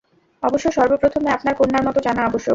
অবশ্য সর্বপ্রথমে আপনার কন্যার মত জানা আবশ্যক।